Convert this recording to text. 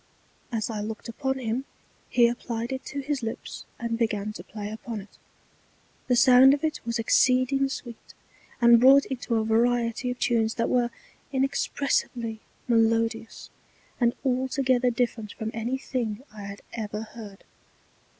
As I looked upon him he applied it to his Lips, and began to play upon it. The sound of it was exceeding sweet, and wrought into a Variety of Tunes that were inexpressibly melodious, and altogether different from any thing I had ever heard.